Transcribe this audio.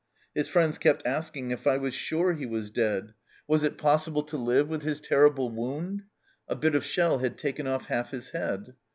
His friends kept asking if I was sure he was dead. Was it possible to live with his terrible wound ? A bit of shell had taken off half his head.